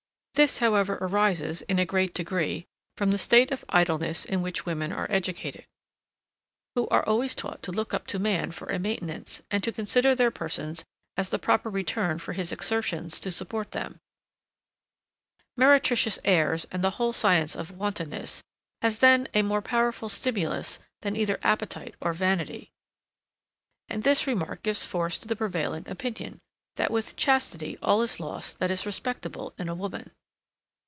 This, however, arises, in a great degree, from the state of idleness in which women are educated, who are always taught to look up to man for a maintenance, and to consider their persons as the proper return for his exertions to support them. Meretricious airs, and the whole science of wantonness, has then a more powerful stimulus than either appetite or vanity; and this remark gives force to the prevailing opinion, that with chastity all is lost that is respectable in woman.